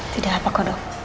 tidak apa kok dok